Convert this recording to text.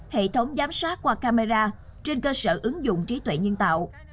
hệ thống giám sát qua camera trên cơ sở ứng dụng trí tuệ nhân tạo